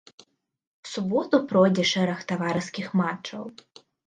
У суботу пройдзе шэраг таварыскіх матчаў.